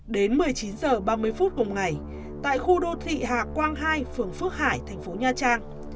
đến một mươi chín h ba mươi phút cùng ngày tại khu đô thị hà quang hai phường phước hải thành phố nha trang